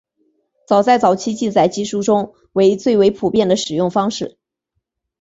其在早期记载技术中为最为普遍的使用方式。